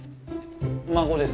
孫です。